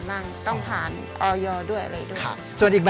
เขาก็เอายอดมาเสียบ